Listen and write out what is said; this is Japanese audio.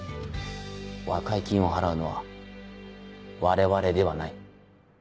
和解金を払うのは我々ではない。